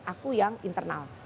aku yang internal